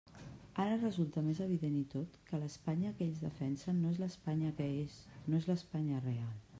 Ara resulta més evident i tot que l'Espanya que ells defensen no és l'Espanya que és, no és l'Espanya real.